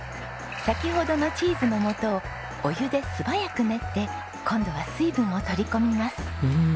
先ほどのチーズのもとをお湯で素早く練って今度は水分を取り込みます。